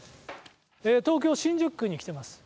東京・新宿区に来ています。